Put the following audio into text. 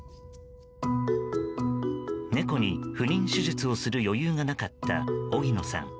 猫に不妊手術をする余裕がなかった荻野さん。